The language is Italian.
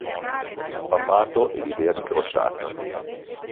Il papato e l'idea di crociata.